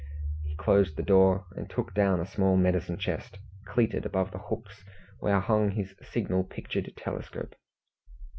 He closed the door, and took down a small medicine chest, cleated above the hooks where hung his signal pictured telescope.